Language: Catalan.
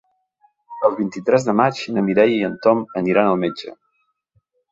El vint-i-tres de maig na Mireia i en Tom aniran al metge.